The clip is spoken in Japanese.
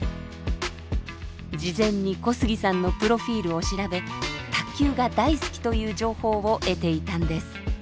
事前に小杉さんのプロフィールを調べ卓球が大好きという情報を得ていたんです。